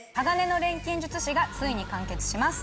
『鋼の錬金術師』がついに完結します。